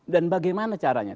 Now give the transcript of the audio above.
dan bagaimana caranya